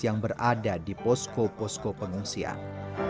yang berada di posko posko pengungsian